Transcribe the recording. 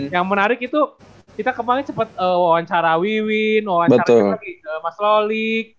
yang menarik itu kita kembali cepat wawancara wiwin wawancaranya lagi mas loli